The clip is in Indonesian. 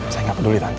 saya gak peduli tante